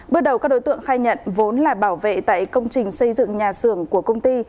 bước đầu các đối tượng khai nhận vốn là bảo vệ tại công trình xây dựng nhà xưởng của công ty